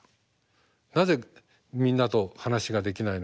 なぜみんなと話ができないのか。